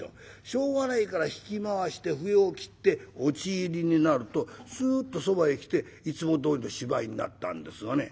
しょうがないから引き回して笛を切って落入になるとすっとそばへ来ていつもどおりの芝居になったんですがね。